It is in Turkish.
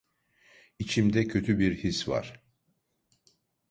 İçimde kötü bir his var.